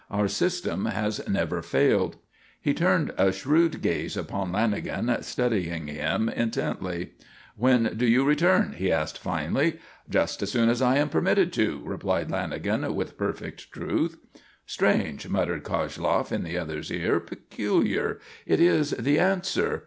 Our system has never failed." He turned a shrewd gaze upon Lanagan, studying him intently. "When do you return?" he asked finally. "Just as soon as I am permitted to," replied Lanagan with perfect truth. "Strange," muttered Koshloff in the other's ear. "Peculiar. It is the answer.